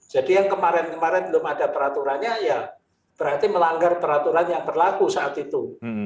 jadi yang kemarin kemarin belum ada peraturannya ya berarti melanggar peraturan yang berlaku saat itu